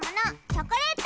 チョコレート。